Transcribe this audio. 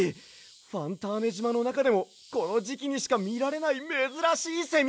ファンターネじまのなかでもこのじきにしかみられないめずらしいセミ！